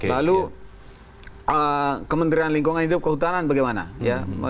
lalu kementerian lingkungan hidup kehutanan bagaimana ya